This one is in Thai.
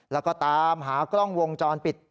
แล้วก็ตามหากล้องวงจรปิด